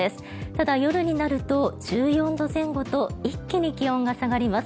ただ夜になると１４度前後と一気に気温が下がります。